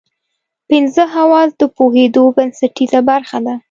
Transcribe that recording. پنځه حواس د پوهېدو بنسټیزه برخه ده.